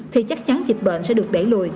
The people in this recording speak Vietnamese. thì chắc chắn dịch bệnh sẽ được đẩy lùi